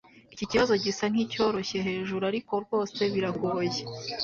Iki kibazo gisa nkicyoroshye hejuru, ariko rwose biragoye.